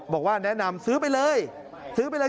บอกว่าแนะนำซื้อไปเลย